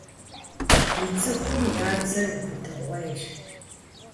Ди цӀыхум я бзэр убыдыгъуейщ.